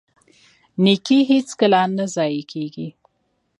نیکي هیڅکله نه ضایع کیږي.